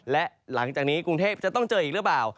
และหลังจากนี้กรุงเทพจะต้องเจออีกหรือเปล่า